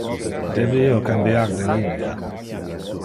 Debe io cambiar de linea?